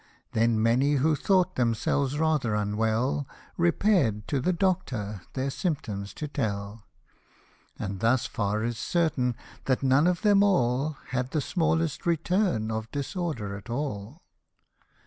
Then many who thought themselves rather unwell, Repair'd to the Doctor, their symptoms to tell. And thus far is certain, that none of them all Had the smallest return of disorder at all.